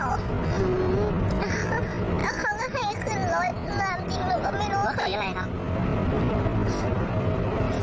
แล้วเค้าก็ให้ขึ้นรถแล้วจริงหนูก็ไม่รู้